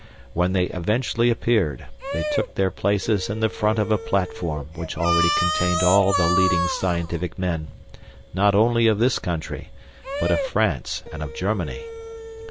When they eventually appeared, they took their places in the front of a platform which already contained all the leading scientific men, not only of this country, but of France and of Germany.